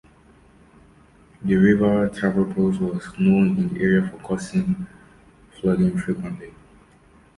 The river Tavropos was known in the area for causing flooding frequently.